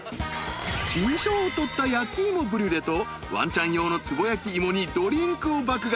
［金賞を取った焼き芋ブリュレとワンちゃん用の壺焼き芋にドリンクを爆買い］